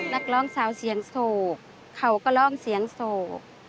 นักร้องสาวเสียงโศกเขาก็ร้องเสียงโศก